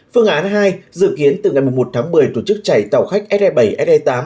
phương án hai dự kiến từ ngày một mươi một tháng một mươi tổ chức chạy tàu khách se bảy se tám